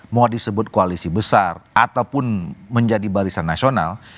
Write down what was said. mau disebut koalisi besar ataupun menjadi barisan nasional